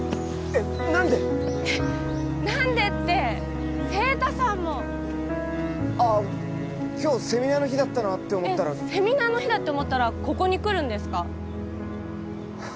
えっ何でって晴太さんもああ今日セミナーの日だったなって思ったらえっセミナーの日だって思ったらここに来るんですか？